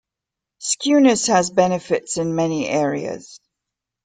Skewness has benefits in many areas.